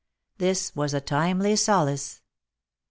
This was a timely solace!